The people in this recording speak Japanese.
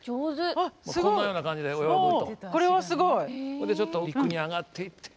ほんでちょっと陸に上がっていって。